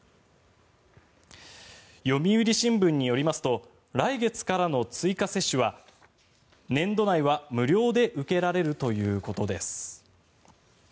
読売新聞によりますと来月からの追加接種は年度内は無料で受けられるということです。